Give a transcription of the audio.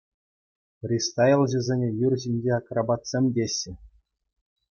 Фристайлҫӑсене юр ҫинчи акробатсем теҫҫӗ.